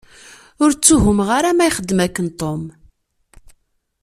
Ur ttuhumeɣ ara ma ixdem akken Tom.